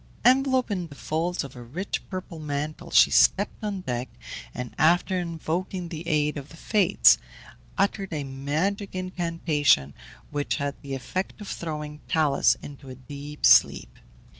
Enveloped in the folds of a rich purple mantle, she stepped on deck, and after invoking the aid of the Fates, uttered a magic incantation, which had the effect of throwing Talus into a deep sleep.